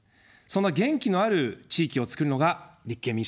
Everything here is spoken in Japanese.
そんな元気のある地域を作るのが立憲民主党です。